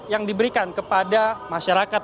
yang diberikan kepada masyarakat